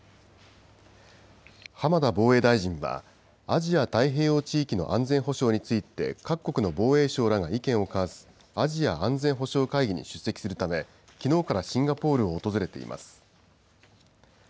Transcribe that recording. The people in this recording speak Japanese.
浜田防衛大臣は、アジア・太平洋地域の安全保障について、各国の防衛相らが意見を交わすアジア安全保障会議に出席するため、きのうからシンガポールを訪れています。